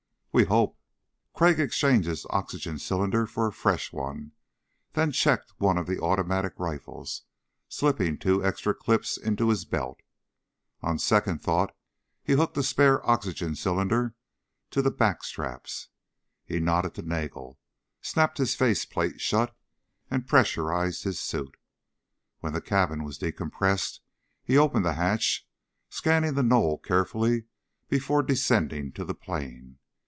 "We hope." Crag exchanged his oxygen cylinder for a fresh one, then checked one of the automatic rifles, slipping two extra clips in his belt. On second thought he hooked a spare oxygen cylinder to the back straps. He nodded to Nagel, snapped his face plate shut and pressurized his suit. When the cabin was decompressed, he opened the hatch, scanning the knoll carefully before descending to the plain.